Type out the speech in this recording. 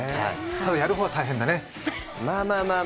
ただ、やる方は大変だね。